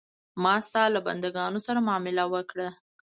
ما ستا له بندګانو سره معامله وکړه.